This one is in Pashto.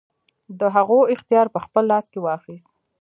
د هغو اختیار په خپل لاس کې واخیست.